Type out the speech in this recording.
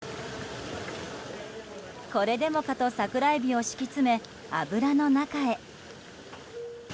これでもかと桜エビを敷き詰め油の中へ。